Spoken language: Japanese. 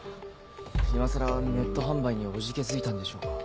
今更ネット販売におじけづいたんでしょうか？